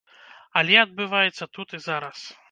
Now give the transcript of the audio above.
Але адбываецца тут і зараз.